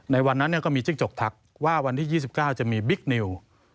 ในวันนั้นก็มีจิ้งจกทักว่าวันที่๒๙จะมีบิ๊กนิว